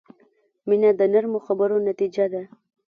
• مینه د نرمو خبرو نتیجه ده.